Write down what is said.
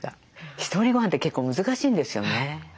ひとりごはんって結構難しいんですよね。